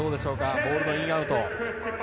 ボールのイン・アウト。